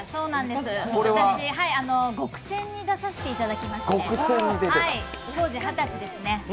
私、「ごくせん」に出させていただきまして当時二十歳ですね。